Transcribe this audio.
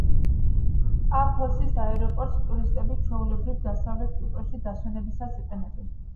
პაფოსის აეროპორტს ტურისტები ჩვეულებრივ დასავლეთ კვიპროსში დასვენებისას იყენებენ.